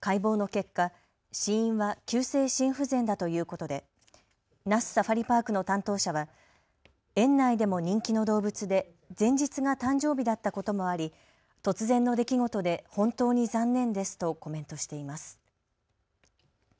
解剖の結果、死因は急性心不全だということで那須サファリパークの担当者は園内でも人気の動物で前日が誕生日だったこともあり突然の出来事で本当に残念ですとコメントしています。